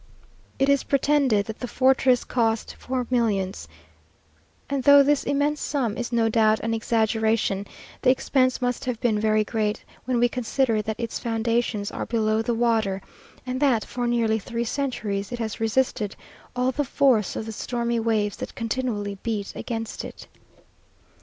It is pretended that the fortress cost four millions; and though this immense sum is no doubt an exaggeration, the expense must have been very great, when we consider that its foundations are below the water, and that for nearly three centuries it has resisted all the force of the stormy waves that continually beat against it.